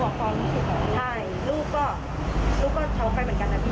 ยังไงก็ออกมาของพ่านแม่